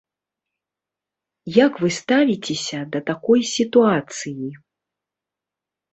Як вы ставіцеся да такой сітуацыі?